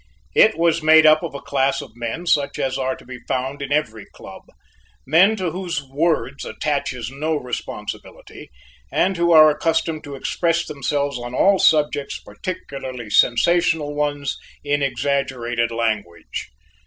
It was made up of a class of men such as are to be found in every club, men to whose words attaches no responsibility and who are accustomed to express themselves on all subjects, particularly sensational ones, in exaggerated language.